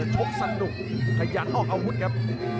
ชกสนุกตายอยากเอาอาวุธครับ